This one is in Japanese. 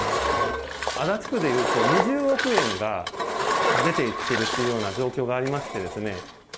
足立区で言うと、２０億円が出ていっているというような状況がありまして。